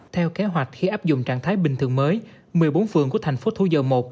theo kế hoạch khi áp dụng trạng thái bình thường mới một mươi bốn phường của thành phố thu dầu một